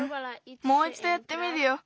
もういちどやってみるよ。